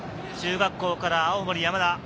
中学校から青森山田。